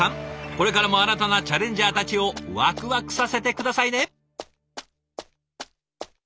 これからも新たなチャレンジャーたちをワクワクさせて下さいね。